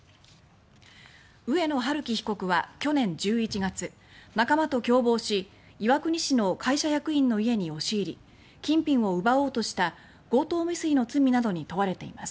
上野晴生被告は去年１１月仲間と共謀し岩国市の会社役員の家に押し入り金品を奪おうとした強盗未遂の罪などに問われています。